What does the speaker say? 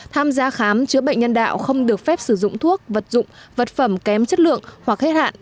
tham gia khám chữa bệnh nhân đạo không được phép sử dụng thuốc vật dụng vật phẩm kém chất lượng hoặc hết hạn